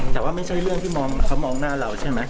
แต่ว่าไม่ใช่เรื่องที่เขามองหน้าเราใช่ไหม